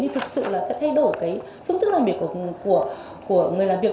thì thực sự là sẽ thay đổi phương thức làm việc của người làm việc